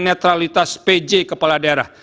netralitas pj kepala daerah